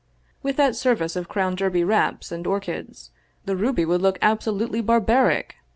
" With that service of Crown Derby repousse and orchids, the ruby would look absolutely bar baric.